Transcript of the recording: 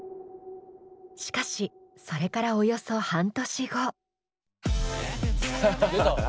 しかしそれからおよそ半年後。